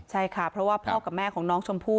ใช่ค่ะเพราะว่าพ่อกับแม่ของน้องชมพู่